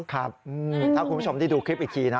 ครับถ้าคุณผู้ชมได้ดูคลิปอีกทีนะ